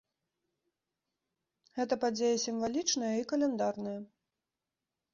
Гэта падзея сімвалічная і каляндарная.